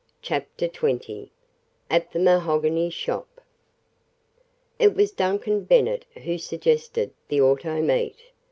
CHAPTER XX AT THE MAHOGANY SHOP It was Duncan Bennet who suggested the auto meet.